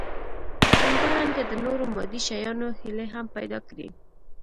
همدارنګه د نورو مادي شيانو هيلې هم پيدا کړي.